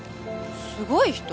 すごい人？